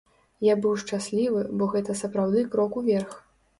Я быў шчаслівы, бо гэта сапраўды крок уверх.